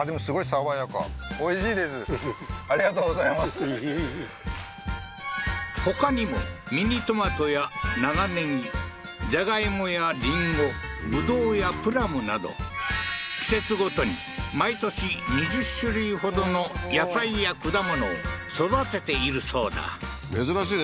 食べてくださいほかにもミニトマトや長ネギじゃがいもやリンゴブドウやプラムなど季節ごとに毎年２０種類ほどの野菜や果物を育てているそうだ珍しいね